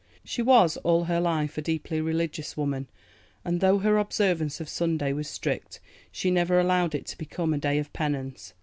She was all her life a deeply religious woman, and though her observance of Sunday was strict, she never allowed it to become a day of penance.